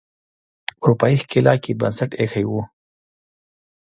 اروپایي ښکېلاک یې بنسټ ایښی و.